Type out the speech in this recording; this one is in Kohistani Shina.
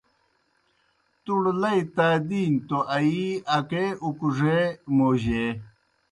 تُوڑ لئی تادِینیْ توْ آیِی اکے اُکڙَے موجیئے۔